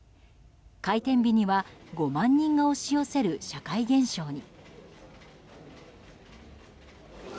開店日には５万人が押し寄せる社会現象に。